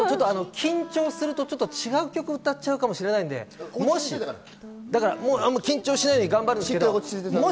緊張するとちょっと違う曲を歌っちゃったりするかもしれないんで、緊張しないように頑張るんですけど。